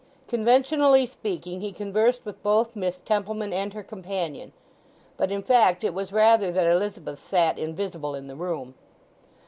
Conventionally speaking he conversed with both Miss Templeman and her companion; but in fact it was rather that Elizabeth sat invisible in the room.